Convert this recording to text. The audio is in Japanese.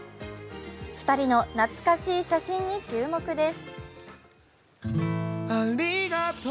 ２人の懐かしい写真に注目です。